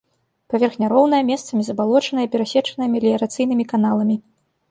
Паверхня роўная, месцамі забалочаная і перасечаная меліярацыйнымі каналамі.